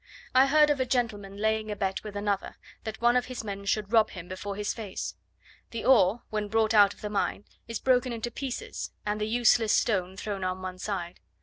I heard of a gentleman laying a bet with another, that one of his men should rob him before his face. The ore when brought out of the mine is broken into pieces, and the useless stone thrown on one side.